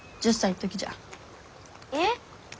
えっ？